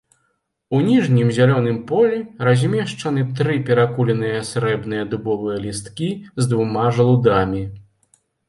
У ніжнім зялёным полі размешчаны тры перакуленыя срэбныя дубовыя лісткі з двума жалудамі.